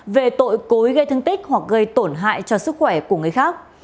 về tội cố ý gây thương tích hoặc gây tổn hại cho sức khỏe của người khác